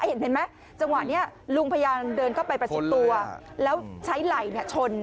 เห็นไหมจังหวะนี้ลุงพยายามเดินเข้าไปประชิดตัวแล้วใช้ไหล่ชน